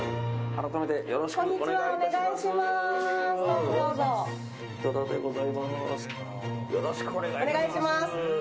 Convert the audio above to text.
改めてよろしくお願いいたします。